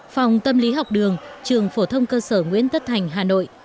phòng tâm lý học đường trường phổ thông cơ sở nguyễn tất thành hà nội